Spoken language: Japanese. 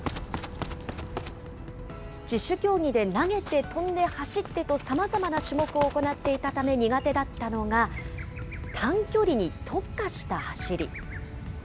十種競技で、投げて飛んで走ってと、さまざまな種目を行っていたため苦手だったのが、短距離に特化した走り。